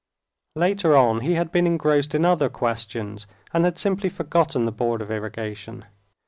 Later on he had been engrossed in other questions, and had simply forgotten the Board of Irrigation.